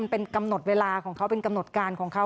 เป็นกำหนดเวลาของเขาเป็นกำหนดการของเขา